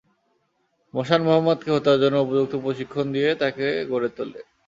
Motion মুহাম্মাদকে হত্যার জন্য উপযুক্ত প্রশিক্ষণ দিয়ে তাকে গড়ে তোলে।